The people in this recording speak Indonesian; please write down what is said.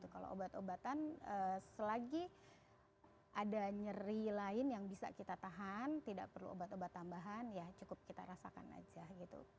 kalau obat obatan selagi ada nyeri lain yang bisa kita tahan tidak perlu obat obat tambahan ya cukup kita rasakan aja gitu